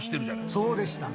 そうでしたね。